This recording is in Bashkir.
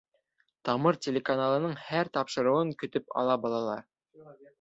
«Тамыр» телеканалының һәр тапшырыуын көтөп ала балалар.